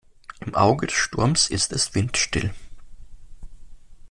Im Auge des Sturms ist es windstill.